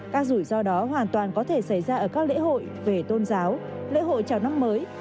các rủi ro đó hoàn toàn có thể xảy ra ở các lễ hội về tôn giáo lễ hội chào năm mới